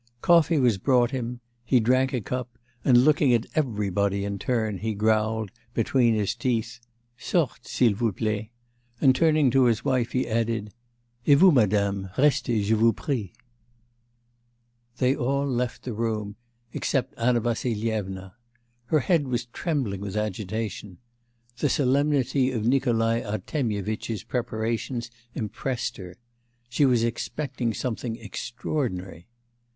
Coffee was brought him; he drank a cup, and looking at everybody in turn, he growled between his teeth, 'Sortes, s'il vous plaît,' and turning to his wife he added, 'et vous, madame, restez, je vous prie.' They all left the room, except Anna Vassilyevna. Her head was trembling with agitation. The solemnity of Nikolai Artemyevitch's preparations impressed her. She was expecting something extraordinary.